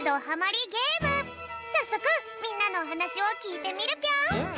さっそくみんなのおはなしをきいてみるぴょん！